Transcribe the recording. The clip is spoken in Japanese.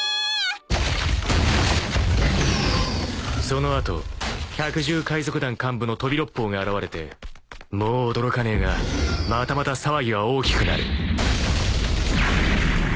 ［その後百獣海賊団幹部の飛び六胞が現れてもう驚かねえがまたまた騒ぎは大きくなる］